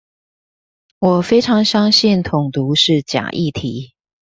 我非常相信統獨是假議題